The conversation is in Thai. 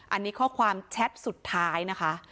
อันนี้ข้อความแชทสุดท้ายนะคะ